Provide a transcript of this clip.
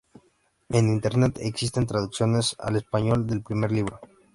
En Internet, existen traducciones al español del primer libro.